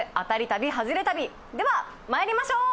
旅ではまいりましょう！